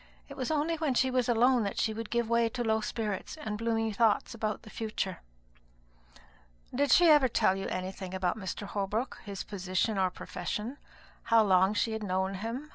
It was only when she was alone that she would give way to low spirits and gloomy thoughts about the future." "Did she ever tell you anything about Mr. Holbrook his position or profession? how long she had known him?